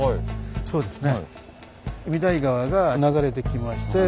そうですね。